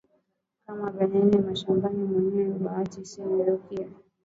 Kama abayengeye mashamba ba mwinji bata iba sana bia kuria